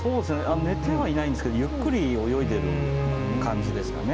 寝てはいないんですけどゆっくり泳いでる感じですかね。